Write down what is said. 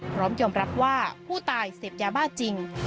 พร้อมยอมรับว่าผู้ตายเสพยาบ้าจริง